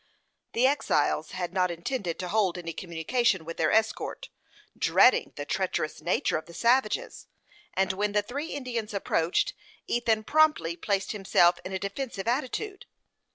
The exiles had not intended to hold any communication with their escort, dreading the treacherous nature of the savages; and when the three Indians approached, Ethan promptly placed himself in a defensive attitude.